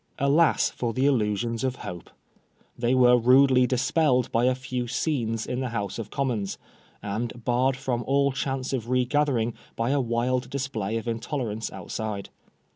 Alas for the illusions of hope I They were rudely dispelled by a few " scenes " in the House of Commons, and barred from all chance of re gathering by the wild display of intolerance outside.